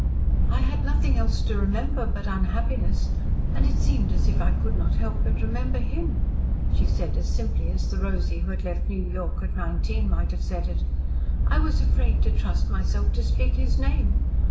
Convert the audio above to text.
"I had nothing else to remember but unhappiness and it seemed as if I could not help but remember HIM," she said as simply as the Rosy who had left New York at nineteen might have said it. "I was afraid to trust myself to speak his name.